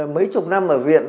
mấy chục năm ở viện